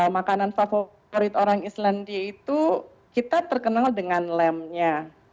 makanan favorit orang islandia itu kita terkenal dengan lemnya